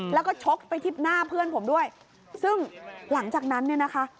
แล้วก็ชกไปที่หน้าเพื่อนผมด้วยซึ่งหลังจากนั้นเนี่ยนะคะ